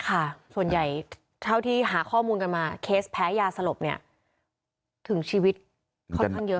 ส่วนใหญ่เท่าที่หาข้อมูลกันมาเคสแพ้ยาสลบเนี่ยถึงชีวิตค่อนข้างเยอะ